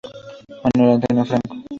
Manuel Antonio Franco.